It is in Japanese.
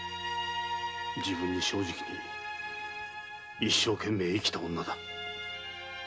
自分に正直に一生懸命生きた女だ。